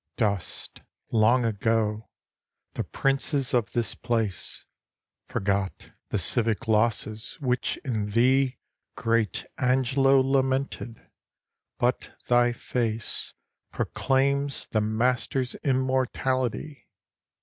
Dust, long ago, the princes of this place ; Forgot the civic losses which in thee Great Angelo lamented ; but thy face Proclaims the master's immortality!